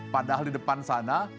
padahal di depan sana